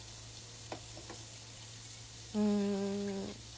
うん。